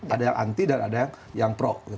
ada yang anti dan ada yang pro